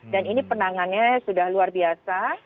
dan ini penangannya sudah luar biasa